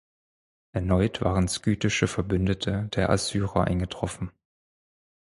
Erneut waren skythische Verbündete der Assyrer eingetroffen.